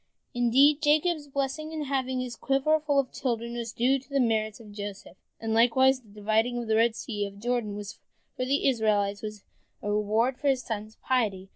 Indeed, Jacob's blessing in having his quiver full of children was due to the merits of Joseph, and likewise the dividing of the Red Sea and of the Jordan for the Israelites was the reward for his son's piety.